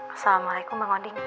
assalamualaikum bang odin